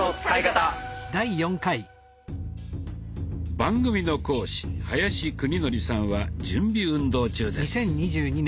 番組の講師林久仁則さんは準備運動中です。